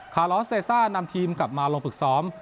ลอสเซซ่านำทีมกลับมาลงฝึกซ้อม